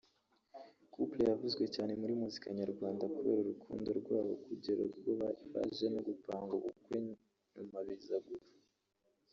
Couple yavuzwe cyane muri muzika nyarwanda kubera urukundo rwabo kugera ubwo baje no gupanga ubukwe nyuma biza gupfa